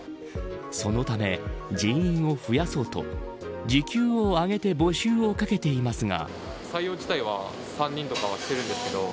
そのため、人員を増やそうと時給を上げて募集をかけていますが。